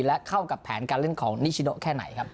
และเข้ากับแผนการเล่นของนิชิโดแค่ไหนครับ